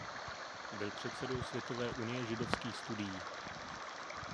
Byl předsedou Světové unie židovských studií.